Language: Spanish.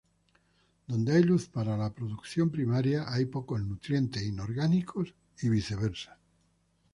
Donde hay luz para la producción primaria hay pocos nutrientes inorgánicos, y viceversa.